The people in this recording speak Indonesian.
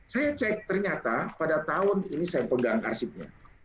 saya cek ternyata pada tahun ini saya pegang arsipnya